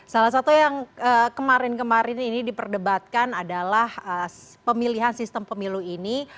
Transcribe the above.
salah satu yang kemarin kemarin ini diperdebatkan adalah pemilihan sistem pemilu ini